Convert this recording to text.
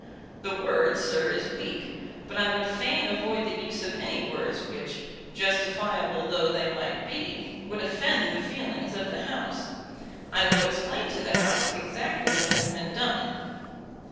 The word, sir, is weak; but I would fain avoid the use of any words which, justifiable though they might be, would offend the feelings of the House. I will explain to the House exactly what has been done."